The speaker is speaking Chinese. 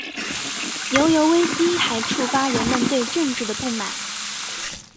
牛油危机还触发人们对政治的不满。